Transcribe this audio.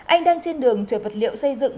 anh đang trên đường chở vật liệu xây dựng